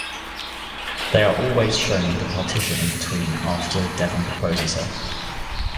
They are always shown with a partition in between after Deven proposes her.